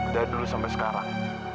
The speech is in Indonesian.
dari dulu sampai sekarang